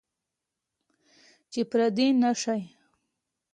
چې پردي نشئ.